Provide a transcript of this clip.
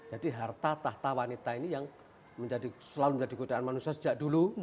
jadi harta tahta wanita ini yang selalu menjadi gudian manusia sejak dulu